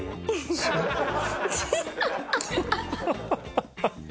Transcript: ハハハハ！